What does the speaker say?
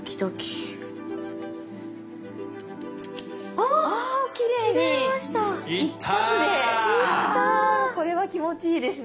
あこれは気持ちいいですね。